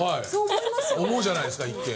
思うじゃないですか一見。